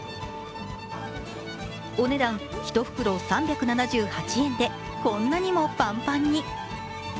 お値段、１袋３７８円でこんなにもパンパンに。